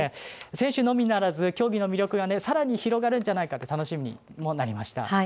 選手のみならず競技の魅力はさらに広がるじゃないかと楽しみにもなりました。